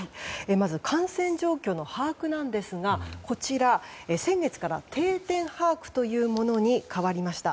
まず感染状況の把握なんですが先月から定点把握というものに変わりました。